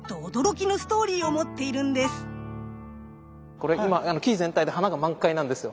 これ今木全体で花が満開なんですよ。